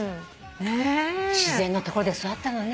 自然の所で育ったのね。